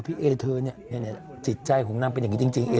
พี่เอเธอเนี้ยเนี้ยเนี้ยจิตใจของนางเป็นอย่างงี้จริงจริง